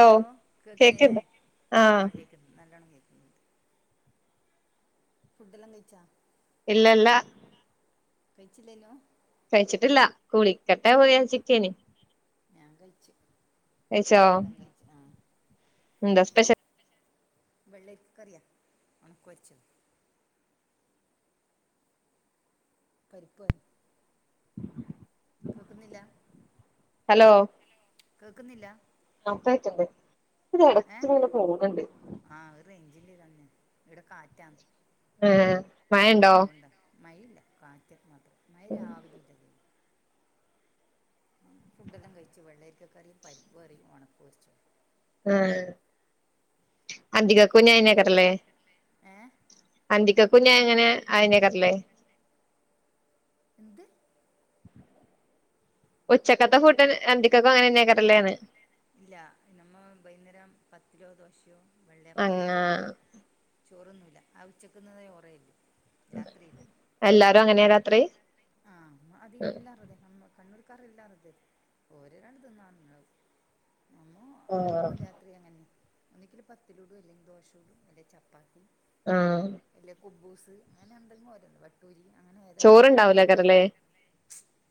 Hello കേൾക്കുന്നില്ലേ കേക്ക്ണ്ടോ ആഹ് കേൾക്കുന്ന് നല്ലോണം കേൾക്കുന്ന് ഫുഡെല്ലാം കഴിച്ചാ? ഇല്ല ല്ല കഴിച്ചില്ലേനു കഴിച്ചിട്ടില്ല കുളിക്കട്ടെ ഞാൻ പോയിയാകിചികെനി ഞാൻ കഴിച്ചു കഴിച്ചോ ഫുഡെല്ലാം കഴിച്ചു ആ എന്താ സ്പെഷ്യ വെള്ളരിക്കറിയാ ഒണക്ക പൊരിച്ചതും പരിപ്പറിം കേക്ക്ന്നില്ല? ഹലോ കേൾക്കുന്നില്ല [unintelligible] തിൽ എടക്ക്ങ്ങനെ പോന്നണ്ട് ആഹ് ഒരു റൈഞ്ചിന്റെതാണ് ഇവിടെ കാറ്റാന്ന് ഏഹ് മഴണ്ടോ അതൊണ്ടാ മയില്ല കാറ്റ് മാത്രം മയിരാവിലീല്ല ഫുഡെല്ലാം കഴിച്ച് വെള്ളരിക്ക കറീം പരിപ്പ് കറീം ഉണക്ക്പൊരിച്ചതും ആഹ് അന്തികക്കു നിഅയഞാക്കാരല്ലേ ഏ അന്തിക്കക്കും നിഎങ്ങനെ അയഞ്ഞെക്കാരല്ലേ? ന്ത്‌? ഉച്ചക്കത്തെ ഫുഡ് അന്തിക്കക്കും അങ്ങനെന്നെക്കാരല്ലേന്ന്? ല്ല നമ്മ ബെയ്ന്നേരം പത്തിര്യോ ദോശ്യോ വെള്ളപ്പോ അങ്ങാ അങ്ങത്തെയ ഉള്ളൂ ചോറ്ന്നൂല്ല ആ ഉച്ചക്കുന്ന ചോറേള്ളൂ രാത്രിയില്ല എല്ലാരും അങ്ങനെയാ രാത്രി? ആഹ് ആഹ് അതികഎല്ലാറുഅതെമ്മ കണ്ണൂർക്കാർ എല്ലാരതെ ഓര് രണ്ട് തിന്നാ നിങ്ങള് നമ്മോ എപ്പം രാത്രി അങ്ങനെ ഒന്നിങ്കിൽ പത്തിലുടും അല്ലെങ്കിൽ ദോശടും അല്ലെങ്കി ചപ്പാത്തി ആഹ് അല്ലേ കുബ്ബൂസ് അങ്ങനെ എന്തെങ്കിലുംഓര് വട്ടൂരി അങ്ങനെ ഏതെങ്കും ഓരോ ചോറ്ണ്ടാവൂലേക്കാരല്ലേ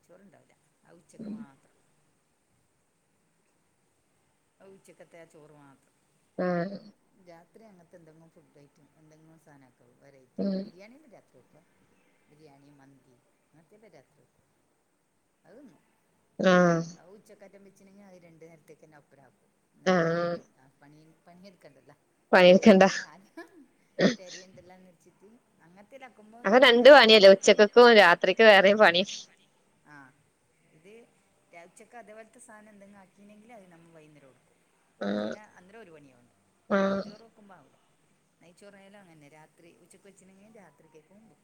ചോറ്ണ്ടാവൂല ആ ഉച്ചക്ക് മാത്രം ആ ഉച്ചക്കത്തെ ചോർമാത്രം ആഹ് രാത്രി അങ്ങത്തെന്തെങ്കും ഫുഡ് ഐറ്റം എന്തെങ്കും സാധനാ തൂ വെറൈറ്റി ഉം ബിരിയാണി ഒന്നും രാത്രി വെക്കാ [unintelligible] ബിര്യാണി, മന്തി അങ്ങനത്തെല്ലാ രാത്രി വെക്കും അതിന്നും ആഹ് ഉച്ചക്കേറ്റം വെച്ച്ണെങ്കി അത് രണ്ട് നേരത്തേക്കന്നെ ഒപ്പരാവും. ന്നാ ആഹ് രാത്രീംന്ത്‌ ആ പണീം പണിയെട്ക്കണ്ടല്ല പണിട്ക്കണ്ട [unintelligible] തെരയണ്ടല്ലോ ന്ന് വച്ചിട്ട് അങ്ങത്തെല്ലാക്കുമ്പോം അപ്പൊ രണ്ട് നേരത്താക്കും. രണ്ടു പണിയല്ലേ ഉച്ചക്കക്കും ഉച്ചത്തക്കക്കും രാത്രിക്ക് വേറെയും രാവിലയ്ക്കും വേറെ പണി. ആഹ് ഇത് രാ ഉച്ചക്കെ അത്പോൽത്തെ സാനം എന്തെങ്കും ആക്കീനെങ്കിലത് ന്നം വൈന്നെരോംട്ക്കും. ആ അങ്ങനെ അന്നേരം ഒരു പണിയൊള്ളു ആ വെറുംചോറ് വെക്കുമ്പോ ആവൂല. നെയ്ചോറായാലും അങ്ങനന്നേ. രാത്രി ഉച്ചക്ക് വെച്ചിനെങ്കി രാത്രിക്കേക്കുംട്ക്കും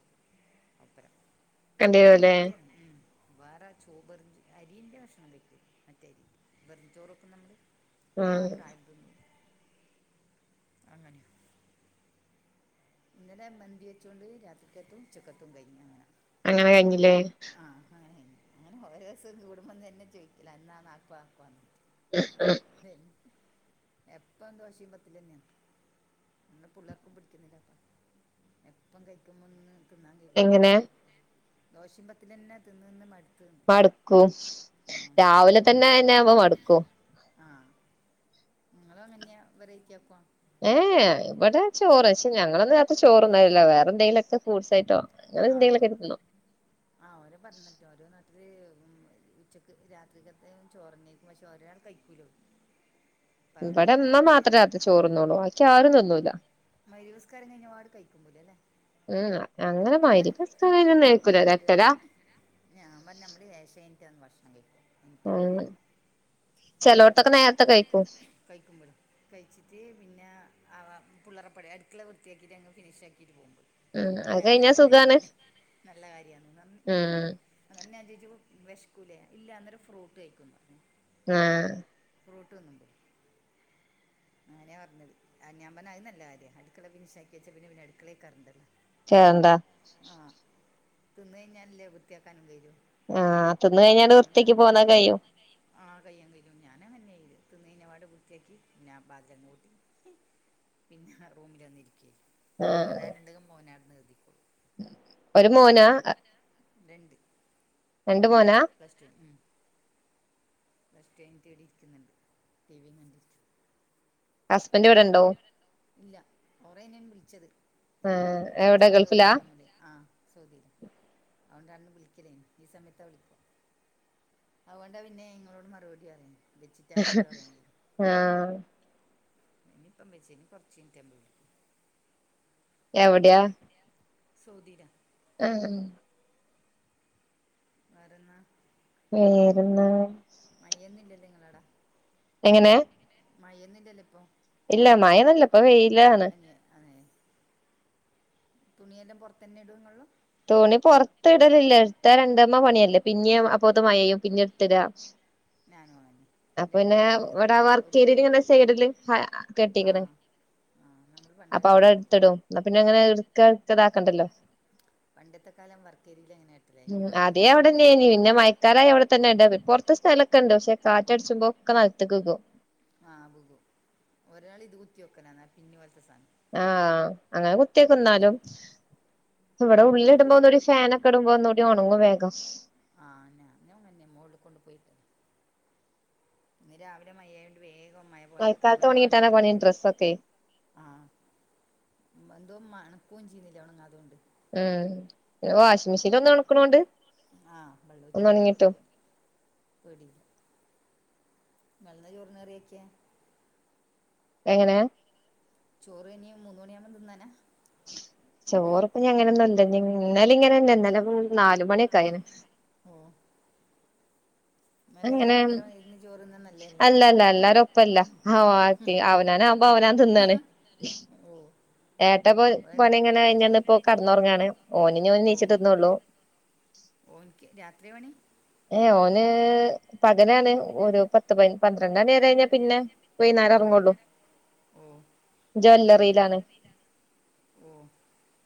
ഒപ്പരം കണ്ടിരൂല്ലേ അങ്ങത്തെ ഉം വേറെ ചോ ബെറുംചോ അരിന്റെ ഭക്ഷണം കയ്ക്കും. മറ്റരി ബെറും ചോറ് വെക്ക്ന്നമ്മള് ആ അത് മാത്രം ആരും തിന്നും അങ്ങന ഇന്നലെ മന്തി വെച്ചോണ്ട് രാത്രിക്കത്തും ഉച്ചക്കത്തും കയ്ഞ്ഞു അങ്ങന അങ്ങനെ കയ്ഞ്ഞ്ല്ലേ? ആഹ് അങ്ങനെ കെയ്ന്. അങ്ങനെ ഓരോസം കൂടുമ്പം തന്നെ ചോയ്ക്കല എന്നാണ് ആക്കുവാ ആക്കുവാന്ന്. ദേ എപ്പം ദോശീം പത്തലും ന്നേ ആണ്. ന്ന് പുള്ളേർക്കും പിടിക്കുന്നില്ല. എപ്പം കയ്ക്കുമ്പം തിന്നാൻ കയ്യൂലല്ലോ. എങ്ങനെ ദോശീം പത്തലഞ്ഞേ തിന്ന് നിന്ന് മടുത്ത്ന്ന്. മടുക്കും. രാവിലതന്നെ അയന്നെ ആവുമ്പോ മടുക്കും ആഹ് നിങ്ങളും അങ്ങന്യാ വെറൈറ്റി ആക്കോ? ഏഹ് ഇവടെ ചോറ്. പക്ഷേ ഞങ്ങളന്നും രാത്രി ചോർണ്ണലില്ല. വേറെന്തെങ്കിലൊക്കെ ഫ്രൂട്സായിട്ടോ ആഹ് ആ ഓരോ പറഞ്ഞിട്ട്. ഓരോ നാട്ടില് ഉം ഉച്ചക്ക് രാത്രിക്കത്തേ ചോറന്നേക്കും. പക്ഷേ ഓരോരാൾ കഴി ക്കിലും ഇബടെ മ്മ മാത്രേ രാത്രി ചോറന്ന്ള്ളു. വാക്കി ആരും തിന്നൂല്ല. മഗ്‌രിബ് ന്സ്കാരം കഴിഞ്ഞപാട് കഴിക്കുമ്പോലല്ലേ ഉം അങ്ങനെ മഗിരിബ് നിസ്കാരം കഴിഞ്ഞാ ഒന്നും കൈയിക്കൂല. അത് പറയാ എട്ടര ഞാൻ പറഞ്ഞ് അമ്മള് ഏശയ്ഞ്ഞിട്ടാണ് ണ് ഭക്ഷണം കഴിക്കാ ഉം ചെലോട്ടൊക്കെ നേരത്ത കഴിക്കും കൈക്കുംബടിം കഴിച്ചിട്ട് പിന്നെ ആ വാ പുള്ളേറപ്പണ്യ അട്ക്കള വൃത്തിയാക്കിയിട്ട് അങ്ങ് ഫിനിഷ് ആക്കിയിട്ട് പോമ്പ് ഏഹ് അത് കഴിഞ്ഞാ സു ത് തന്നെ. നല്ല കാര്യാന്ന് ന ഉം അങ്ങനെ [unintelligible] വെശക്കൂലേ? ഇല്ല അന്നേരം ഫ്രൂട്ട് കഴിക്കും പറഞ്ഞ് ആഹ് ഫ്രൂട്ട്ന്ന്മ്പോ അങ്ങനെ പറഞ്ഞത് ആഹ് ഞാമ്പറഞ്ഞ് അത് നല്ല കാര്യാ അടുക്കള ഫിന്ഷാക്കി വച്ച പിന്ന പിന്ന അടുക്കളേൽ കേറണ്ടല്ലോ. കേറണ്ടാ ആഹ് തിന്ന് കഴിഞ്ഞാലല്ലേ വൃത്തിയാക്കാനും കയ്ലൂ ആ തിന്ന് കഴിഞ്ഞാങ്ങ്ട് വൃത്ത്യാക്കി പോന്നാ കഴ്യും കയ്യും ആഹ് കയ്യ കയ്യും ഞാൻ അങ്ങനന്ന ചെയ്യല്. തിന്ന് കഴിഞ്ഞപാടെ വൃത്തിയാക്കി. [unintelligible] പിന്നെ റൂമിൽ വന്നിരിക്കായ്യ ആഹ് എഴുതാനുണ്ടങ്കി മോനാവടെ ഇരുന്ന്‌ എഴുതിക്കോളും ഒരു മോനാ രണ്ട്. രണ്ട് ഒന്ന് മോനാ പ്ലസ് ടു ന്. ഉം. പ്ലസ് ടു കഴിഞ്ഞ്ട്ട് ഇവടെ ഇരിക്കുന്ന്ണ്ട്. ടി വിം കണ്ട് ഇരിക്ക് ഹസ്ബന്റ ഇവടെണ്ടോ ഇല്ല ഒറെയ്നൻ വിളിച്ചത് ആഹ് വിളിച്ചച്ച് എവിടെ വെച്ചാ ഗൾഫിലാ ആടറയ്യ [unintelligible] അവൻ അന്ന് വിളിക്കില്ലേന് ഈ സമയത്താ വിളി അതോണ്ടാ പിന്നെങ്ങളോട് മറുപടി പറ ആഹ ഇനി ഇപ്പോ വിളിച്ചില്ല ഇനി കൊറച് കഴിഞ്ഞ വിളിക്കു എവിടെയാ സൗധിലാ ഏഹ് വേറെന്താ വേറെന്താ മയെന്നും ഇല്ലല്ലോ നിങ്ങളവട എങ്ങനെ മയഒന്നും ഇല്ലലോ ഇപ്പൊ ഇല്ല മഴ ഒന്നുല്ല ഇപ്പൊ വെയിലാണ് എഹ അതെ തുണിയെല്ലാം പുറത്തന്നെ ഇടു നൊള്ളൂ തുണി പൊറത്ത് ഇടലില്ല എട്ത്ത രണ്ടേമ്മ പണിയല്ലേ പിന്നേ അപ്പോത് മഴയയും പിന്നെ എടുത്ത്ഇടാൻ സ് ഞാനും അങ്ങനെ അപ്പ രണ്ട് പിന്നെ പണി ഇവിടെ എടുക്കുന്നതായിട്ട് ഒരു പണി വർക്ക്രേരില് സൈഡില് കെട്ടിക്ക്ണ ആഹ നമ്മൾ പണ്ട് അങ്ങനേനു ആഹ പിന്നെങ്ങനെ ഇടുക്കട്ക്കതാക്കണ്ടല്ലോ പണ്ടത്തെ കാലം വർക്കേരിലേനി ഉം അദ്യഅവിടന്നേനി പിന്നെ മ സ്ഥലം ഇവിടെ ത്തന്നെ ഉണ്ട് പൊറത്തെ സ്ഥലക്ക്ണ്ട് പക്ഷെ കാറ്റ അടിച്ചുമ്പോ ഒക്കെ നലത്ത്ക്ക് വികും ആഹ ബികും ഒരാള് ഇത് കുത്തി വെക്കനലാ പിന്ന് പോലത്തെ സാധം ആഹ് അങ്ങനെ കുത്തിയെക്കും ന്നാലും ഇവിടെ ഉള്ളി പിന്നെ ഇടുമ്പോ ഒന്നൂടി ഫാനൊ ക്കെടുമ്പോ ഒന്നൂടി ഒണങ്ങും വേഗം ആഹ് ഞാനും അങ്ങന്നെയാ മോകളി കൊണ്ട് പോയിട്ട്. ഇന്ന് രാവിലെ മയയോണ്ട് വേഗം മഴ പോയ മയക്കാലത്ത് പോയപാട് ഇത് ഒണങ്ങിട്ടാനാ പണി അലക്കയന് ഡ്രസ്സൊക്കെ ആഹ്. എന്തോ മണക്കും ചെയ്യുന്നില്ലെ ഉണങ്ങാതോണ്ട്? ഉം പിന്നെ വാഷിംഗ് മെഷീനി ഒന്ന് ഒണക്കണോണ്ട് ആഹ് വെള്ളം ഒന്ന് ഊറ്റുന്നോണ്ട് ഒണങ്ങിട്ടു. പേടിക്കണ്ട [unintelligible] എങ്ങനെയാ? ചോറു ഇനി മൂന്ന് മണിയാമ്പോ തിന്നാന ചോറപ്പ അങ്ങനൊന്നുംല്ല ഇന്നാല ഇങ്ങനെല്ല ഇന്നലെ നാല് മണിയൊക്ക ആയിന്. ഉം. അങ്ങനെ എല്ലാരും ഒപ്പരം ഇരുന്ന് ചോറ് തിന്നുന്നത് നല്ലതല്ലേ അല്ല അല്ല അല്ലരൊപ്പല്ല ആഹ അതെ അവനാവൻ അവനാൻ തിന്നാണ്. ഓഹ്. ഏട്ട പ്പൊ വേണ്ടുന്ന പണിങ്ങനെ കയ്ഞ്ഞന്ന ഇപ്പോ കടന്നുറങ്ങാണ് ഓനിന് എണീച്ചിട്ട് തിന്നുള്ളൂ. ഓനിക്ക് രാത്രിയാ പണി? ഓന് പകലാണ് ഒരു പത്ത് പ പന്ത്രണ്ട മണി വരെ കയ്ഞ്ഞാ പിന്നെ, വയ്നേരെ ഓഹ് ഒർങ്ങുള്ളൂ ഓഹ് ഓഹ് പണിക്ക് ജ്വല്ലറിയിലാണ്. ഓഹ്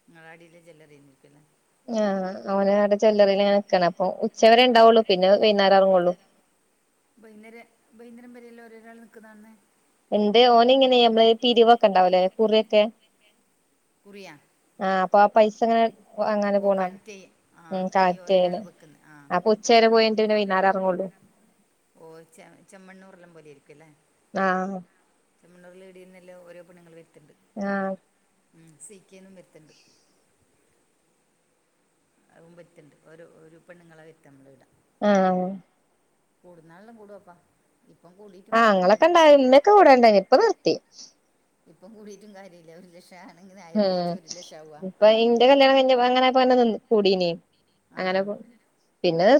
നിങ്ങളാടില്ല ജ്വലറിയിൽ നികുന്ന ആഹ് അവനാടെ ജ്വല്ലറിൽ ഇങ്ങനെ നിക്കാണ് അപ്പൊ ഉച്ചവരെ ഉണ്ടാവുള്ളൂ പിന്നെ വൈനേരം ഇറങ്ങള്ളൂ. ബൈനേരെ ബൈനേരം വരല്ലോ ഓരോരാൾ നിക്കുന്നാണ്ന്ന്? ഇണ്ട് ഓന് ഇങ്ങനെയ നമ്മള് പിരിവൊക്കെണ്ടാവലേ കുറിയൊക്കെ. കുറിയ? ആഹ് അപ്പൊ ആഹ് പൈസ അങ്ങനെ അങ്ങനെ ഓ പോണ കണക്ട് ചെയ്യും ആ ഉം ഈ കളക്ട് ഒരാൾ ചെയ്ണ വെക്കുന്നത് ആ അപ്പൊ ഉ ഉച്ചര പോയ്ട്ട് പിന്നെ വൈനേര എറ്ങ്ങള്ളൂ. ഓഹ് ചെ ചെമ്മണ്ണൂർല്ലം പോലെ ഇരിക്കുല്ലേ? ആഹ്. ചെമണ്ണറുൽ ഇടൽന്നല്ലാം ഓരോ പെണ്ണുങ്ങൾ വര്ത്ത്ണ്ട്. ആഹ് ഉം സീ ക്കെന്നും വര്ത്ത്ണ്ട്. അ ഉം വര്ത്ത്ണ്ട് ഓരോ ഒരു പെണ്ണുങ്ങള വര്ത്ത് നമ്മള് ഈട. ആഹ്. കൂടുന്നാളല്ലോ കൂടുവപ്പ. ഇപ്പം കൂടി. ആഹ് അങ്ങളെ കെ ഇമ്മക്കെ കൂടെണ്ടെ ഇപ്പ നിർത്തി. ഇപ്പം കൂടിയിറ്റും കാര്യല്ല ഒരു ലക്ഷാണെങ്കിൽ ഉം ആയിരപ്പേച്ച ഒരു ലക്ഷാവുഅ? ഇപ്പൊ ഇന്റെ കല്യാണം കഴിഞ്ഞ അങ്ങനെ [unintelligible] കൂടീനി ആ അങ്ങനപ്പൊ.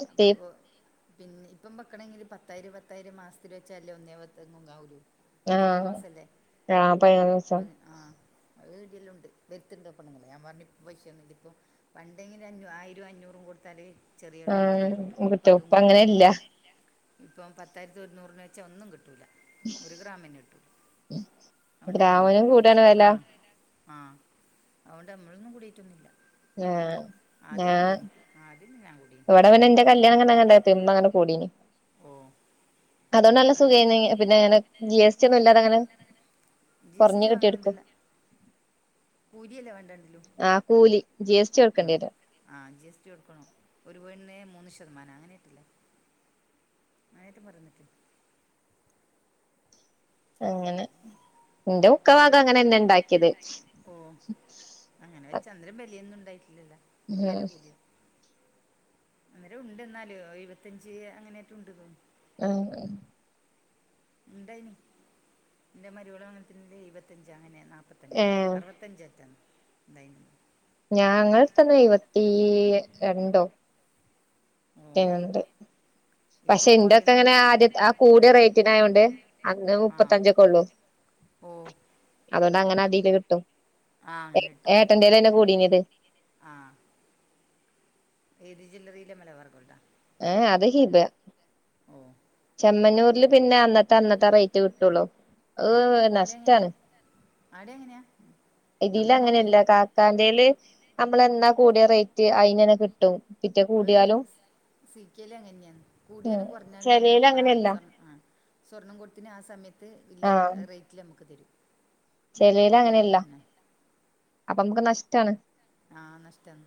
[unintelligible] പിന്നെ ഇപ്പം വെക്കണെങ്കില് പത്തായിരം പത്തായിരം മാസത്തിൽ വെച്ചാല്ലേ ഒന്നേപത്തെങ്ങും ആവുള്ളു പതിനൊന്ന് ആഹ് മാസല്ലേ ആ പതിനൊന്ന് ദിവസം പതി ആഹ്. അഹ് ഇടിയല്ലാം ഇണ്ട് വെര്ത്ത്ണ്ട് പെണങ്ങൾ ഞാൻ പറഞ് ഇപ്പ പൈഷ്യന്നുല്ല ഇപ്പം. പണ്ടെങ്കില് അഞ്ഞു ആയിരം അഞ്ഞൂറും കൊടുത്താല് ചെറിയൊരു ആ മു രം കിട്ടും ഇപ്പ അതും കിട്ടൂല ഇപ്പം പത്തായിരത്തി ഒര്ന്നൂറിന് വെച്ച ഒന്നും കിട്ടൂല. ഒരു ഗ്രാമന്ന കിട്ടൂല അതൊണ്ട് ഞമ്മൊന്നും ഗ്രാമിനും കൂടാണ് കൂടീട്ടില്ല വെല ആഹ്. ആഹ് അതൊണ്ട് നമ്മളൊന്നും കൂടീട്ടൊന്നുല്ല ആഹ് ആദ്യം ഞാൻ കൂടീനി. ആഹ് അതിന് ഞാൻ കൂടി. ഇവിടെ പിന്നെ ഇന്റെ കല്യാണം അങ്ങനെങ്ങനെ ഇമ്മ ഇങ്ങനെ കൂടീനി. ഓ അതോണ്ടല്ല അത് സുഖായിനി പിന്നെങ്ങെ ജി എസ് ടി ഒന്നും ഇല്ലാതെങ്ങനെ. ജി എസ് ടി വാങ്ങുന്നുണ്ടല്ല. കൂലി എല വേണ്ടേ ണ് ആഹ് കൂലി ജി എസ് ടി കൊട്ക്കേണ്ടിരും. ആഹ് ജി എസ് ടി കൊടുക്കണം ഒരു പാവണ്ണ്ന് മൂന്ന് ശതമാനം അങ്ങനാട്ടല്ലേ? [unintelligible] അങ്ങനെ ന്റെ മുക്ക ഒരു ഭാഗം പെ അങ്ങനെന്ന ഇണ്ടാക്കിയത്. ഓ അങ്ങനെ വെച്ച അന്നേരം മെലിയൊന്നും ഉണ്ടായിട്ടില്ല ല്ല ഇപ്പന്റെ പൂതെ അന്നേരം ഉണ്ട് എന്നാല് എഴുപത്തഞ്ച് അങ്ങനയൊക്കെയുണ്ട്. ത്തോന്ന് ആ ഹ് - ഉണ്ടായിനി ന്റെ മരിയോളങ്ങനത്തന്നെ എഴുപത്തഞ്ച അങ്ങനെയ. നാ പ്പത്തഞ്ച് ഏഹ് അറുപത്തഞ്ച് ഏറ്റ ഇണ്ടായി നി. ഞാങ്ങൾ ഇട്ത്തന്ന് എഴുപത്തി രണ്ടോ ഓ ഇന്റെ പക്ഷെ ഇപ്പം ന്റെ ക്കെ കുറയിലും ങ്ങനെ കൂടിയല്ലേ ആദ്യ ആഹ് കൂടിയ റേറ്റിനായോണ്ട്. അന്ന് ആ മുപ്പത്തഞ്ചക്കെ ഒള്ളൂ. ഓ അതുകൊണ്ട് അങ്ങനെ ആട്ടീട് കിട്ടും ആ ഏട്ടന്റെലെന്നെ കൂടിനത്. ആഹ് ഏത് ജൊല്ലറിലാ മലബാർ ഗോൾഡാ? ഏഹ അത് ഹിബ ഓ ചെമ്മന്നൂരില് പിന്നെ അന്ന ട് തന്നത്താ ആറെയ്റ്റേ കിട്ടൊള്ളൂ ഏ നഷ്ടാണ്. ആടെ എങ്ങനെയാ? ഇതില് നമ്മൾ അങ്ങനെയല്ല നോക്കില്ല കാക്കാന്റെല് നമ്മള് എന്നാ കൂടിയ റേറ്റ് അയിനെന്നെ കിട്ടും. പിറ്റേ അഹ് കൂടിയാലും സീക്കേലു അങ്ങനെയാ ഉം കൂടിയാലും കുറഞ്ഞാലും നമ്മള് ചെലേല് എപ്പാ അങ്ങനെയല്ല സ്വർ ആഹ് സ്വർണം കൊടുത്തിന ആഹ് സമയത്ത് ഇല റേറ്റില് നമക്ക് തരും. ചെലേയില് കൂടിയാലും അങ്ങനെയല്ല കുറഞ്ഞാലും അപ്പൊ നമക്ക് നഷ്ടാണ് ആഹ നഷ്ടാണ്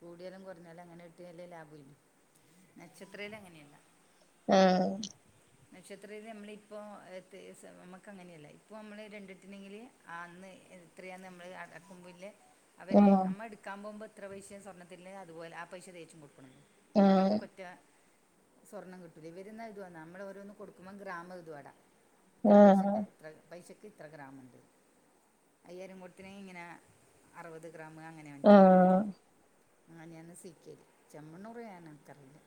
കൂടിയാലും കുറഞ്ഞാലും അങ്ങനെ കിട്ടിയാല് ലാഭേല്ലേ നക്ഷത്രേൽ അങ്ങനെയല്ല ആഹ നക്ഷത്രത്തിൽ നമ്മളിപ്പോൾ [unintelligible] നമുക്ക് അങ്ങനെയല്ല ഇപ്പോൾ നമ്മൾ രണ്ടിട്ടിനെങ്കിൽ. അന്ന് എത്രയാന്ന് നമ്മൾ അടക്കുമ്പിള്ളെ അവര് ആഹ് നമ്മ ഇടുക്കാൻ പോകുമ്പോ എത്ര പൈസയാ സ്വർണത്തിന് അതുപോലെ ആ പൈസ തേച്ചു കൊടുകണം ന്ന് ആഹ് അതോണ്ടമ്മകൊറ്റ സ്വർണ്ണം കിട്ടൂല ഇവർ എന്ന എത്വാന്ന നമ്മൾ ഓരോന്ന് കൊടുക്കുമ്പോം ഗ്രാമ് എഴുതുവാടെ ഇത്ര ആഹ് പൈസെന്റെ ഇത്ര പൈസക്ക് ഇത്ര ഗ്രാമ് ഇണ്ട് അയ്യായിരം കൊടുത്തിനെങ്കി ഇങ്ങനെ അറുപത് ഗ്രാമ് അങ്ങനെ [unintelligible] ആഹ് അങ്ങനെയാന്ന് സീക്കേല് ചെമ്മണ്ണുറ് ഞാൻ എനിക്കറിയില്ല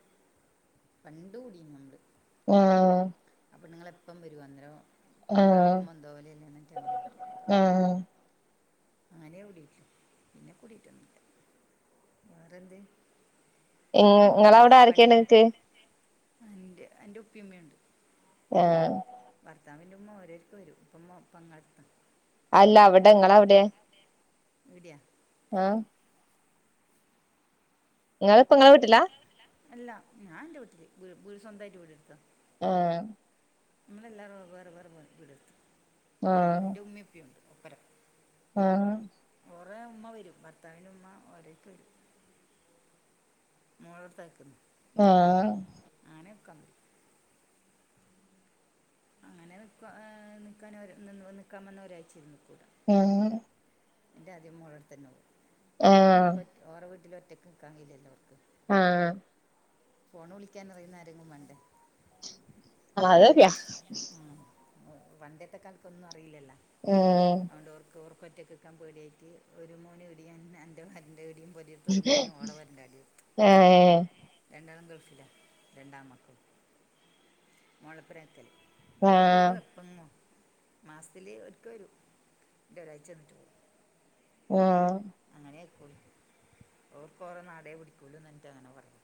പണ്ട് കൂടീന്ന് നമ്മൾ ആഹ ആ പെണ്ണ്ങ്ങള് എപ്പം വരും അന്നേരം കൂടാണ്ടെ നിക്കുമ്പോ എന്തോ പോലല്ലേ എന്നിട്ട് അങ്ങനെ ആഹ അങ്ങനേ കൂടീട്ടൊള്ളൂ പിന്നെ കൂടിട്ടൊന്നില്ല വേറെന്ത് പണി ഇങ്ങളവിടെ ആരൊക്കെയാണ് പണിയെല്ലം നിങ്ങക്ക് എന്റെ എന്റെ ഉപ്പിം ഉമ്മീം ഇണ്ട് ആഹ ഭർത്താവിന്റ ഉമ്മ ഓരേട്ക്ക്‌ വെരും ഇപ്പൊ ഉമ്മ പെങ്ങളെട്ത്താ അല്ല അവിടെ ഇങ്ങളെ അവിടെ ഈടെയാ ആഹ് ഇങ്ങള് ഇപ്പ ഇങ്ങളെ വീട്ടിലാ അല്ല ഞാന്റെ വീട്ടില് വീ വീട് സ്വന്തായിട്ട് വീട് എടുത്തതാ ആഹ നമ്മളെല്ലാവരും വേറെ വേറെ വീടെടുത്തു ആഹ് എന്റെ ഉമ്മീം ഉപ്പിം ഇണ്ട് ഒപ്പരം ആഹ് ഓറേ ഉമ്മ വരും ഭത്താവിന്റെ ഉമ്മ ഒരേട്ക്ക് വരും മോളട്ത്താ നിക്കുന്ന് ആഹ് അങ്ങനെ നിക്കാൻ വെരും അങ്ങനെ നിക്ക നിക്കാൻ ഒരാ നിന്നു നിക്കാവന്നാ ഒരാഴ്ചേല്ലും നിക്കും ഉം എന്റെ ആദ്യം മോളടുത്ത് തന്നോവും അവർക്ക് ഒറ്റ ഓറെ വീട്ടിൽ ഒറ്റക്ക് നിക്കാൻ കയില്ലല്ലോ ഓർക്ക് ആഹ് ഫോണ് വിളിക്കാനറിയുന്ന ആരെങ്കും വേണ്ടേ അത് ശരിയാ ഉം പണ്ടേത്ത കാലത്തൊന്നും അറിയില്ലല്ലാ ആഹ് അതോണ്ട് ഓർക്ക് ഓർക്ക് ഒറ്റക്കിക്കാൻ പേടി ആയിട്ട് ഒരു മോൻ ഇടിം എന്റെ പൊരേന്റെ ഇടിം [unintelligible] ഒരു മോൻ ഓളെ പെരേന്റെ അവിടിം ഇട്ത്ത് ഏഹ് രണ്ടാളും ഗൾഫിലാ രണ്ടാമ്മക്കൾ മോളെ ഒപ്പരാ നിക്കല് ഇവിടെ ആഹ് വെരും എപ്പങ്ങും മാസത്തില് ഒരിക്ക വരും ഇന്നിട്ട് ഒരാഴ്ച നിന്നിട്ട് പോവും ആഹ് അങ്ങനെ നിക്കൊള്ളൂ ഓര്ക്ക് ഓരെ നാടേ പിടിക്കുള്ളു എന്നിട്ട് അങ്ങനെ പറയും